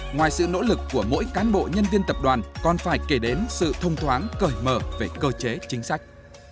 ngoài sự nỗ lực của mỗi cán bộ nhân viên tập đoàn còn phải kể đến sự thông thoáng cởi mở về cơ chế chính sách